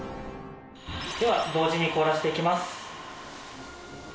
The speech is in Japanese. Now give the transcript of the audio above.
では同時に凍らせていきます。